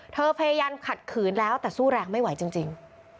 พยายามขัดขืนแล้วแต่สู้แรงไม่ไหวจริง